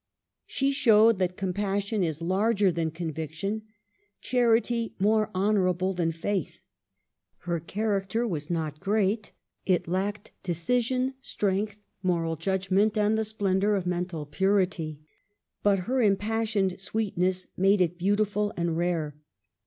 She showed that compassion is larger than conviction ; charity more honorable than faith. Her character was not great: it lacked decision, strength, moral judgment, and the splendor of mental purity; but her impassioned sweetness made it beautiful and rare.